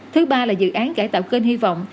thứ ba là dự án cải tạo kênh hy vọng